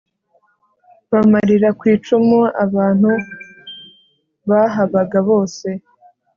bamarira ku icumu abantu bahabaga bose